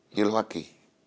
như hoa kỳ